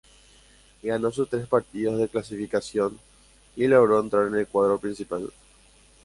Ganó sus tres partidos de clasificación y logró entrar en el cuadro principal.